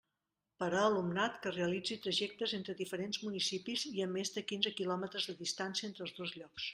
Per a alumnat que realitzi trajectes entre diferents municipis i a més de quinze quilòmetres de distància entre els dos llocs.